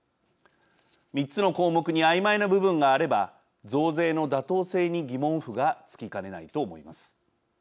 ３つの項目にあいまいな部分があれば増税の妥当性に疑問符がつきかねないと思います。